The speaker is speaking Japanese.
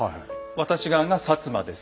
私側が摩です。